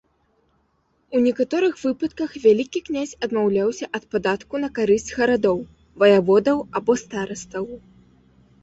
У некаторых выпадках вялікі князь адмаўляўся ад падатку на карысць гарадоў, ваяводаў або старастаў.